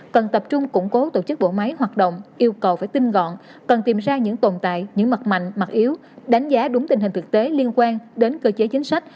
cần tập trung củng cố tổ chức bộ máy hoạt động yêu cầu phải tinh gọn cần tìm ra những tồn tại những mặt mạnh mặt yếu đánh giá đúng tình hình thực tế liên quan đến cơ chế chính sách